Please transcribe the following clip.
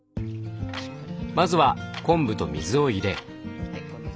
まずは昆布と水を入れ。